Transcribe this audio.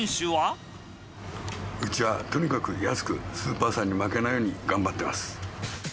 うちはとにかく安く、スーパーさんに負けないように頑張ってます。